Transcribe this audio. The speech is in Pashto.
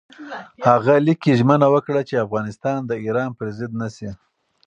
هغه لیک کې ژمنه وکړه چې افغانستان د ایران پر ضد نه شي.